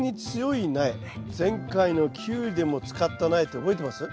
前回のキュウリでも使った苗って覚えてます？